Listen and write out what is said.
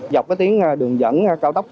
dọc cái tiếng đường dẫn cao tốc